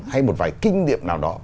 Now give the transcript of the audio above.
hay một vài kinh nghiệm nào đó